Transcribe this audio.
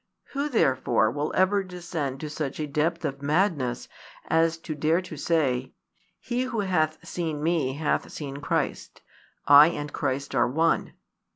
Who therefore will ever descend to such a depth of madness as to dare to say: "He who hath seen me hath seen Christ: I and Christ are one"?